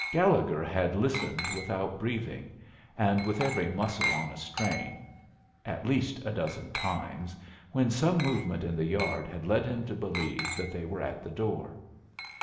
Gallegher had listened without breathing, and with every muscle on a strain, at least a dozen times, when some movement in the yard had led him to believe that they were at the door.